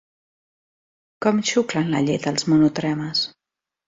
Com xuclen la llet els monotremes?